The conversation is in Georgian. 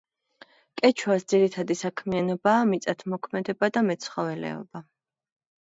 კეჩუას ძირითადი საქმიანობაა მიწათმოქმედება და მეცხოველეობა.